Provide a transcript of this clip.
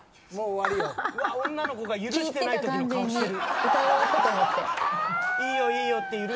女の子が許してないときの顔してる。